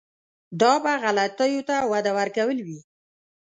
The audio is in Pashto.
دا به غلطیو ته وده ورکول وي.